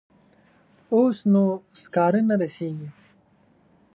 اوس نو سکاره نه رسیږي.